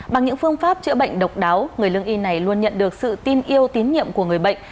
bằng những phương pháp chữa bệnh độc đáo người lương y này luôn nhận được sự tin yêu tín nhiệm của người bệnh